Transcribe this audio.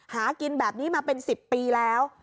หากินแบบนี้มาเป็น๑๐ปีแล้ว